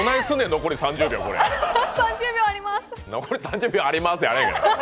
残り３０秒あります。